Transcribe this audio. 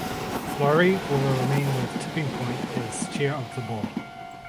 Lurie will remain with Tipping Point as chair of the board.